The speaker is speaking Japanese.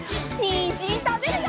にんじんたべるよ！